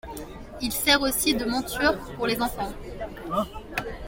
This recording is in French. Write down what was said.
Il sert aussi de monture pour les enfants.